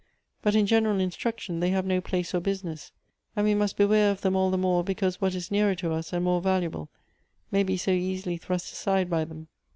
But in general instruction, they have no place or business ; and we must beware of them all the more, because what is nearer to us, and more valuable, may be so easily thrust aside by them."